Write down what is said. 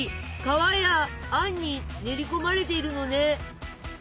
皮やあんに練り込まれているのね。